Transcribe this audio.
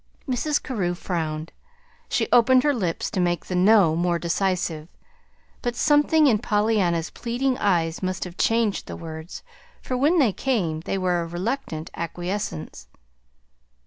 Mrs. Carew frowned. She opened her lips to make the "no" more decisive; but something in Pollyanna's pleading eyes must have changed the words, for when they came they were a reluctant acquiescence.